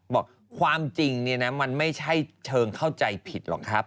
บอกความจริงเนี่ยนะมันไม่ใช่เชิงเข้าใจผิดหรอกครับ